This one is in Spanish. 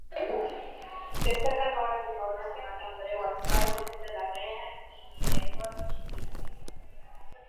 Destacan obras de Pablo Serrano, Andreu Alfaro, Vicente Larrea y de Eduardo Chillida.